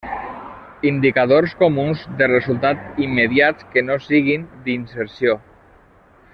Indicadors comuns de resultat immediats que no siguin d'inserció.